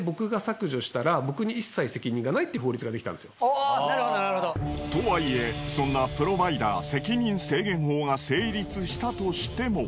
あぁなるほどなるほど。とはいえそんなプロバイダ責任制限法が成立したとしても。